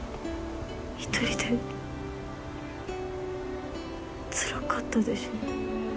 一人でつらかったでしょ？